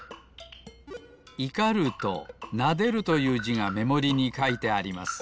「怒る」と「撫でる」というじがめもりにかいてあります。